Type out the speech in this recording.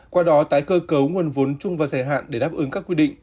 qua đó tái cơ cấu nguồn vốn chung và dài hạn để đáp ứng các quy định